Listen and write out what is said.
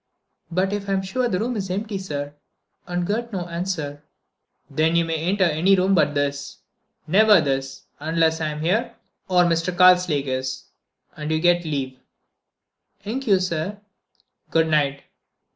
"But if I'm sure the room is empty, sir, and get no answer—?" "Then you may enter any room but this. Never this, unless I am here—or Mr. Karslake is—and you get leave." "'Nk you, sir." "Good night."